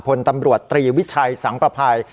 พลตำรวจตรีวิชัยสังประภัย